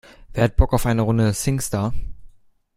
Wer hat Bock auf eine Runde Singstar?